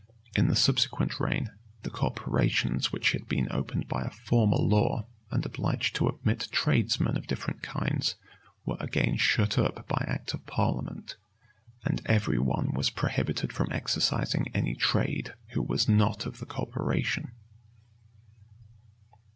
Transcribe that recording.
In the subsequent reign, the corporations which had been opened by a former law, and obliged to admit tradesmen of different kinds, were again shut up by act of parliament; and every one was prohibited from exercising any trade who was not of the corporation.